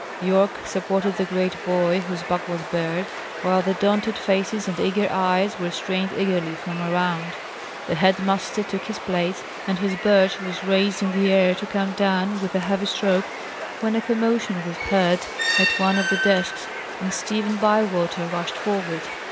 Yorke supported the great boy whose back was bared, while the daunted faces and eager eyes were strained eagerly from around. The head master took his place, and his birch was raised in the air to come down with a heavy stroke, when a commotion was heard at one of the desks, and Stephen Bywater rushed forward.